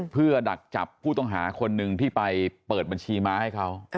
เพื่อดักจับผู้ต้องหาคนหนึ่งที่ไปเปิดบัญชีม้าให้เขา